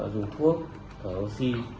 dùng thuốc thở oxy